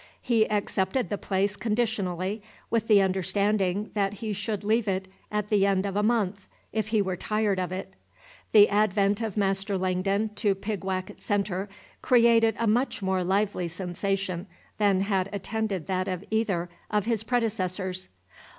He accepted the place conditionally, with the understanding that he should leave it at the end of a month, if he were tired of it. The advent of Master Langdon to Pigwacket Centre created a much more lively sensation than had attended that of either of his predecessors.